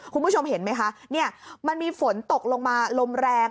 คุณผู้ชมเห็นไหมคะเนี่ยมันมีฝนตกลงมาลมแรง